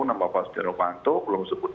nama pak sidenovanto belum disebut